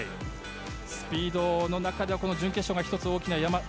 スピードの中ではこの準決勝が１つ、大きな山。